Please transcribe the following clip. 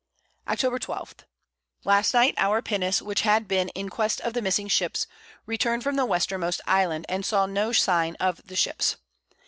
Octob. 12. Last Night our Pinnace, which had been in quest of the missing Ships, return'd from the Westermost Island, and saw no Sign of the Ships.